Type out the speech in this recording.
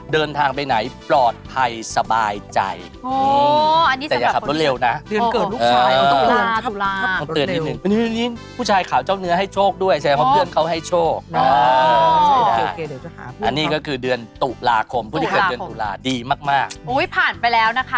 เดินทางไปไหนปลอดภัยสบายใจ